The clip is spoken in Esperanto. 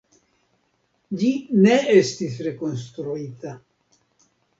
Ĝi ne estis rekonstruita.